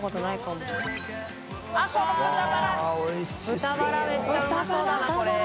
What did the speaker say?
豚バラめっちゃうまそうだなこれ。